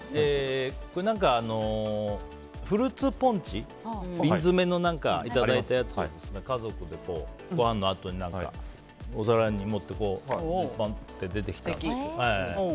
これ、フルーツポンチ瓶詰のいただいたやつを家族でごはんのあとにお皿に盛って、ぽんと出てきて。